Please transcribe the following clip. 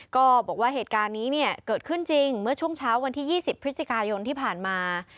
ก็บอกว่าเหตุการณ์นี้เนี่ยเกิดขึ้นจริงเมื่อช่วงเช้าวันที่๒๐พฤศจิกายนที่ผ่านมา